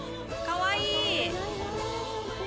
かわいい！